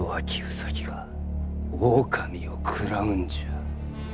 兎が狼を食らうんじゃ。